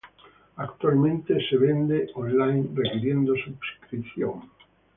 Actualmente es vendida online, requiriendo suscripción.